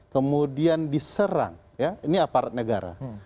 kemudian diserang ya ini aparat negara